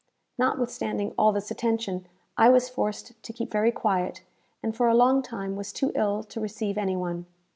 Notwithstanding all this attention, I was forced to keep very quiet, and for a long time was too ill to receive any one.